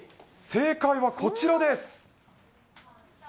正解はこちらです。